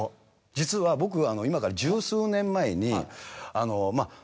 実は僕今から１０数年前に。